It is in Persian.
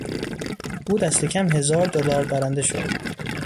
او دست کم هزار دلار برنده شد.